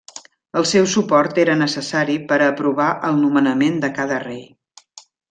El seu suport era necessari per a aprovar el nomenament de cada rei.